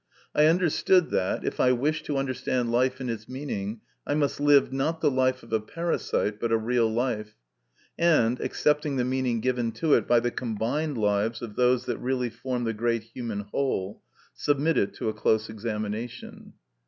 I understood that, if I wished to understand life and its meaning, I must live, not the life of a parasite, but a real life ; and, accepting the meaning given to it by the combined lives of those that really form the great human whole, submit it to a close examination.